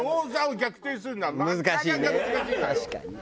確かにな。